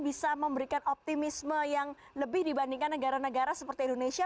bisa memberikan optimisme yang lebih dibandingkan negara negara seperti indonesia